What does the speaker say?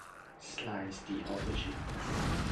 Slice the aubergine.